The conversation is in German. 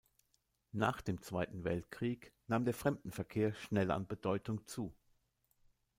Nach dem Zweiten Weltkrieg nahm der Fremdenverkehr schnell an Bedeutung zu.